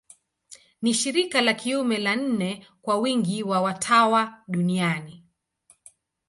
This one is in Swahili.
Ni shirika la kiume la nne kwa wingi wa watawa duniani.